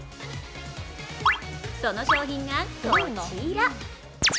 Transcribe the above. その商品がこちら。